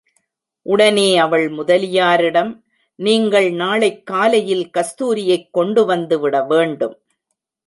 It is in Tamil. உடனே அவள் முதலியாரிடம், நீங்கள் நாளைக் காலையில் கஸ்தூரியைக் கொண்டுவந்துவிட வேண்டும்.